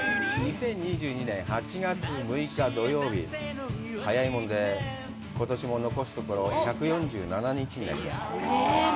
２０２２年８月６日土曜日早いものでことしも残すところ１４７日になりました